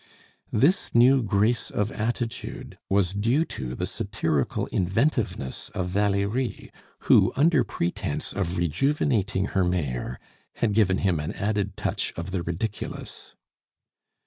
This new grace of attitude was due to the satirical inventiveness of Valerie, who, under pretence of rejuvenating her mayor, had given him an added touch of the ridiculous.